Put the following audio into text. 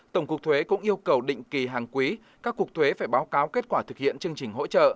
tổng cục thuế cũng yêu cầu định kỳ hàng quý các cuộc thuế phải báo cáo kết quả thực hiện chương trình hỗ trợ